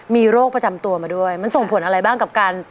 มีโรคประจำตัวมาด้วยมันส่งผลอะไรบ้างกับการ